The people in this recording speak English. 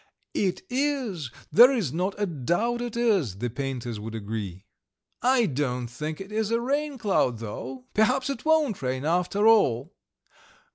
"It is, there is not a doubt it is," the painters would agree. "I don't think it is a rain cloud, though. Perhaps it won't rain after all."